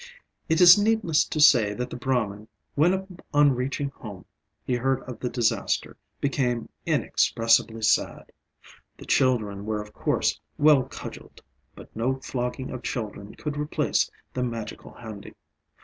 It is needless to say that the Brahman, when on reaching home he heard of the disaster, became inexpressibly sad. The children were of course well cudgelled, but no flogging of children could replace the magical handi.